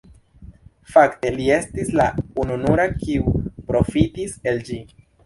Fakte li estis la ununura kiu profitis el ĝi.